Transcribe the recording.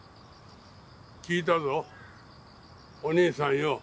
聞いたぞお兄さんよ。